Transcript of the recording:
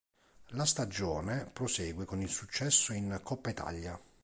La stagione prosegue con il successo in Coppa Italia.